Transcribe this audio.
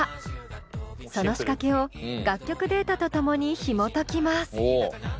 その仕掛けを楽曲データとともにひもときます。